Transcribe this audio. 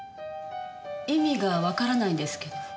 意味がわからないんですけど。